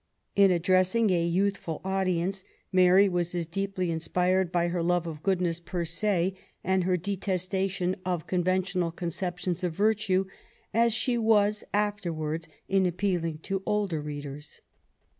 In addressing a youthful audience, Mary was as deeply inspired by her love of goodness, per se, and her detestation of conventional conceptions of virtue, as she was afterwards in appealing to older readers.